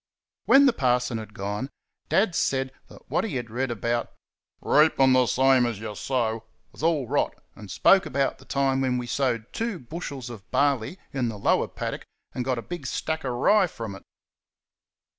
When the parson had gone Dad said that what he had read about "reaping the same as you sow" was all rot, and spoke about the time when we sowed two bushels of barley in the lower paddock and got a big stack of rye from it.